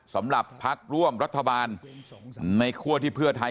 สำหรับพักร่วมรัฐบาลในคั่วที่เพื่อไทย